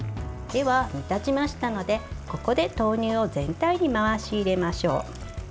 では、煮立ちましたのでここで豆乳を全体に回し入れましょう。